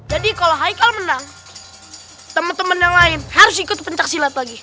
jadi kalau aikal menang teman teman yang lain harus ikut pencak silat lagi